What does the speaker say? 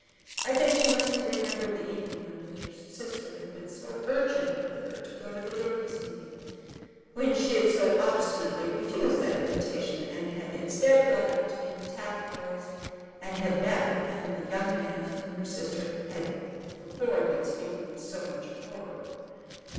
I think she must have remembered the evening on which her sister had been so urgent with her to go to the Dorcas meeting; when she had so obstinately refused that invitation, and had instead gone out to meet the Tappitt girls, and had met with them the young man of whom her sister had before been speaking with so much horror.